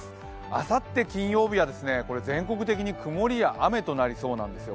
あさって金曜日は全国的に曇りや雨となりそうなんですよ。